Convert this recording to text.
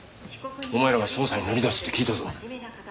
お前らが捜査に乗り出すって聞いたぞ。